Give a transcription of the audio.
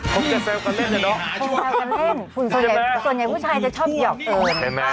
โครบตัดแซมกันเล่นอย่ะเนาะ